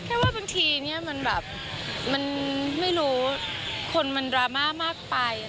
ว่าบางทีเนี่ยมันแบบมันไม่รู้คนมันดราม่ามากไป